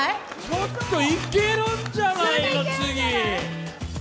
ちょっといけるんじゃないの、次。